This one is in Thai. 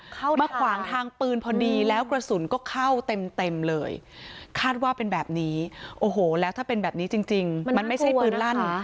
มาขวางทางปืนพอดีแล้วกระสุนก็เข้าเต็มเต็มเลยคาดว่าเป็นแบบนี้โอ้โหแล้วถ้าเป็นแบบนี้จริงจริงมันไม่ใช่ปืนลั่น